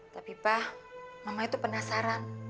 tapi pak mama itu penasaran